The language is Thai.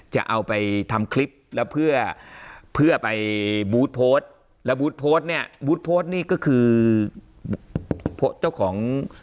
จะเอาไปทำคลิปแล้วเพื่อไปเนี้ยก็คือเจ้าของ